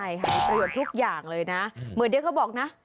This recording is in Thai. หายหายประโยชน์ทุกอย่างเลยนะเหมือนเดี๋ยวเขาบอกนะ